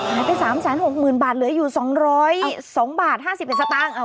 หายไป๓๖๐๐๐๐บาทเหลืออยู่๒๐๒บาท๕๑สตางค์เอาไว้อย่างนั้น